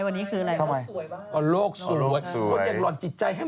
เกมตู้คือใครรู้ไหม